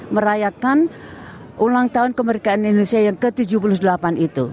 merayakan ulang tahun kemerdekaan indonesia yang ke tujuh puluh delapan itu